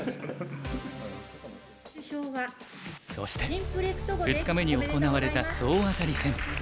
そして２日目に行われた総当たり戦。